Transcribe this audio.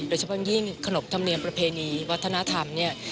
โดยเฉพาะยิ่งขนบธรรมเนียมประเพณีวัฒนธรรมเนี่ย